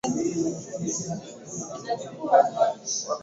Balozi Amina Salum anasema awali walikuwa hawajui matumizi ya mwani